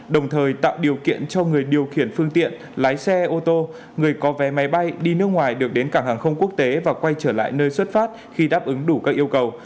đồng thời tạo điều kiện cho người điều khiển phương tiện lái xe ô tô người có vé máy bay đi nước ngoài được đến cảng hàng không quốc tế và quay trở lại nơi xuất phát khi đáp ứng đủ các yêu cầu